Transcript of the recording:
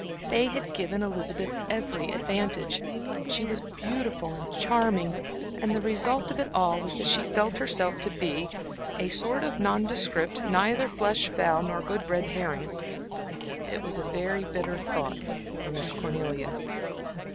They had given Elizabeth every advantage, she was beautiful and charming; and the result of it all was that she felt herself to be "a sort of nondescript, neither flesh, fowl, nor good red herring." It was a very bitter thought for Miss Cornelia.